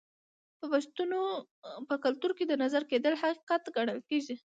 د پښتنو په کلتور کې د نظر کیدل حقیقت ګڼل کیږي.